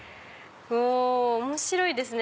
面白いですね！